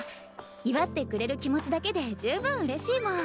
祝ってくれる気持ちだけで十分うれしいもん。